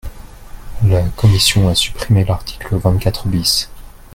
La commission a supprimé l’article vingt-quatre bis.